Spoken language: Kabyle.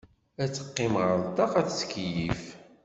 Ad teqqim ɣer ṭṭaq ad tettkeyyif.